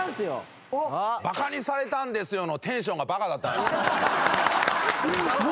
「バカにされたんですよ」のテンションがバカだったな。